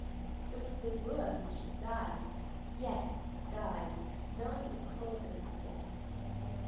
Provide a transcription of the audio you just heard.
It was the wooer who should die. Yes, die, knowing the cause of his death.